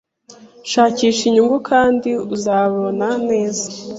Shakisha inyungu, kandi uzabana neza.